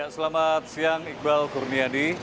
selamat siang iqbal kurniadi